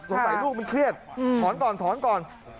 ใส่ลูกมันเครียดถอนก่อนถอนก่อน